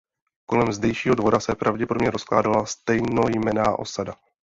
Kolem zdejšího dvora se pravděpodobně rozkládala stejnojmenná osada.